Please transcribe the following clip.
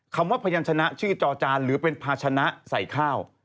คำว่าพยานชนะชื่อจอจานหรือเป็นภาชนะใส่ข้าว